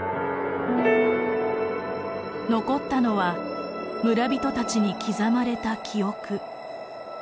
残ったのは村人たちに刻まれた記憶。